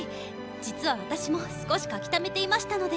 実は私も少し書きためていましたので。